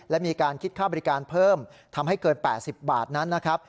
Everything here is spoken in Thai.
และมีการคิดค่าบริการเพิ่มทำให้เกิน๘๐บาทนั้นนะครับ